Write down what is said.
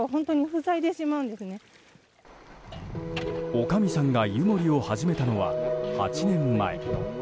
おかみさんが湯守を始めたのは８年前。